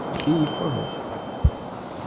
Tettkeyyifeḍ?